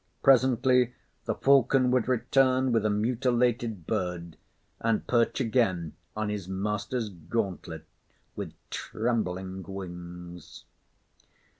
Presently the falcon would return with a mutilated bird, and perch again on his master's gauntlet with trembling wings.